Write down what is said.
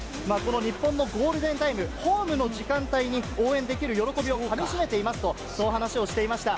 日本のゴールデンタイム、ホームの時間帯に応援できる喜びをかみしめていますと、そう話をしていました。